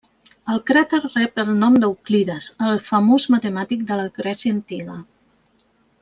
El cràter rep el nom d'Euclides, el famós matemàtic de la Grècia antiga.